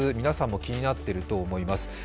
皆さんも気になっていると思います。